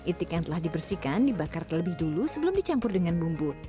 itik yang telah dibersihkan dibakar terlebih dulu sebelum dicampur dengan bumbu